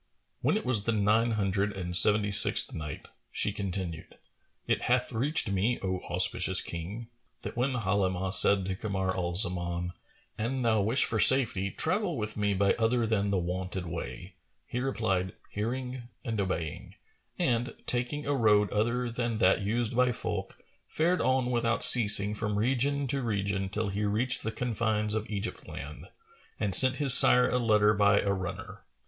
When it was the Nine Hundred and Seventy sixth Night, She continued, It hath reached me, O auspicious King, that when Halimah said to Kamar al Zaman, "An thou wish for safety, travel with me by other than the wonted way," he replied, "Hearing and obeying;" and, taking a road other than that used by folk, fared on without ceasing from region to region till he reached the confines of Egypt land[FN#436] and sent his sire a letter by a runner.